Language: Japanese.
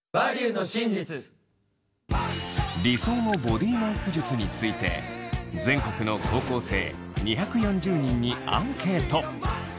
理想のボディーメイク術について全国の高校生２４０人にアンケート。